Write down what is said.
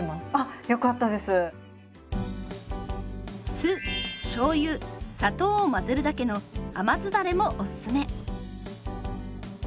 酢しょうゆ砂糖を混ぜるだけの「甘酢だれ」もおすすめ。